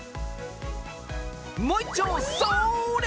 もう一丁それ！